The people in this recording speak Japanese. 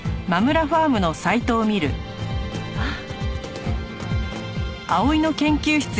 あっ！